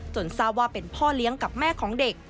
ทราบว่าเป็นพ่อเลี้ยงกับแม่ของเด็ก